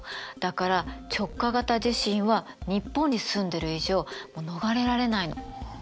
だから直下型地震は日本に住んでる以上もう逃れられないの。